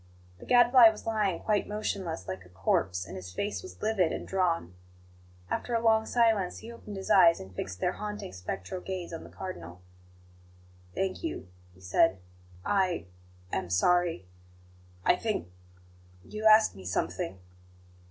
The Gadfly was lying quite motionless, like a corpse, and his face was livid and drawn. After a long silence, he opened his eyes, and fixed their haunting, spectral gaze on the Cardinal. "Thank you," he said. "I am sorry. I think you asked me something?"